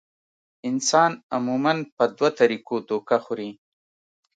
انسان عموماً پۀ دوه طريقو دوکه خوري -